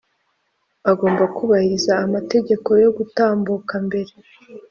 agomba kubahiriza amategeko yo gutambuka mbere